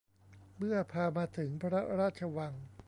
เมื่อพามาถึงพระราชวัง